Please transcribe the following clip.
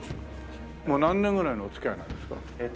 もう何年ぐらいのお付き合いなんですか？